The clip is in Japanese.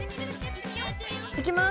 いきます！